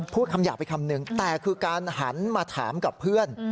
คำหยาบไปคำนึงแต่คือการหันมาถามกับเพื่อน